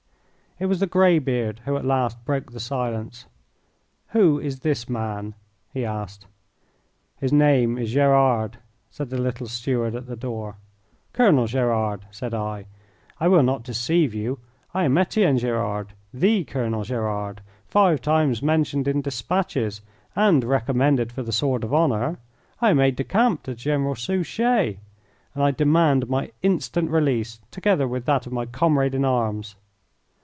It was the grey beard who at last broke the silence. "Who is this man?" he asked. "His name is Gerard," said the little steward at the door. "Colonel Gerard," said I. "I will not deceive you. I am Etienne Gerard, THE Colonel Gerard, five times mentioned in despatches and recommended for the sword of honour. I am aide de camp to General Suchet, and I demand my instant release, together with that of my comrade in arms."